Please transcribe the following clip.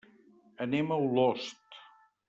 Anem a Olost.